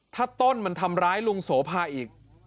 ถ้าต้นมันทำร้ายลุงโสภาอีก